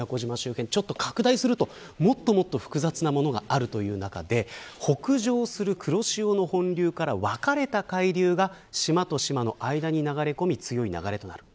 拡大すると、もっともっと複雑なものがある中で北上する黒潮の本流から分かれた海流が島と島の間に流れ込み、強い流れとなる。